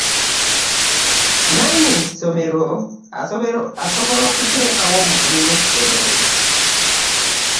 Nannyini ssomero asobola okutekawo omukulu w'essomero.